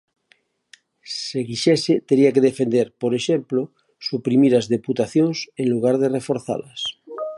"Se quixese, tería que defender", por exemplo, "suprimir as deputacións en lugar de reforzalas".